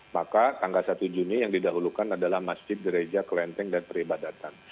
maka tanggal satu juni yang didahulukan adalah masjid gereja kelenteng dan peribadatan